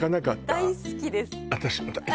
ああ大好きです